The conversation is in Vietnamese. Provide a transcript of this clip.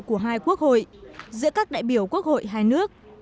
của hai quốc hội giữa các đại biểu quốc hội hai nước